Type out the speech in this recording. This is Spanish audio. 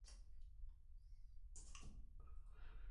El deporte viene encabezado por emisiones de boxeo.